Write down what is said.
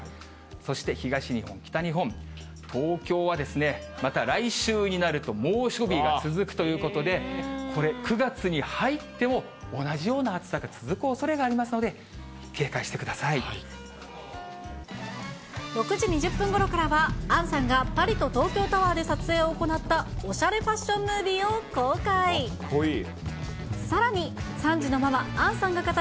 そして東日本、北日本、東京はまた来週になると猛暑日が続くということで、これ、９月に入っても同じような暑さが続くおそれがありますので、６時２０分ごろからは、杏さんがパリと東京タワーで撮影を行った、おしゃれファッションかっこいい。